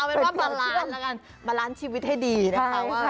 เอาเป็นว่าบาลานซ์บาลานซ์ชีวิตให้ดีนะครับ